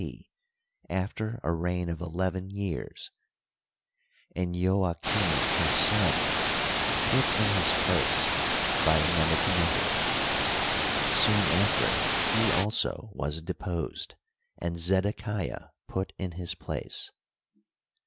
C, after a reign of eleven years, and Jojachim, his son, put in his place by Nebuchaclnezzar. Soon after he also was deposed, and Zedekiah put in his place.